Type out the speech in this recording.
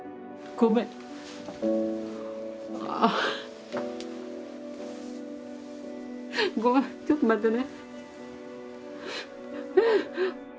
ごめんちょっと待ってね。